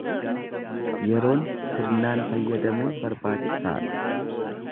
Yeroon sirnaan fayyadamuun barbaachisaa dha.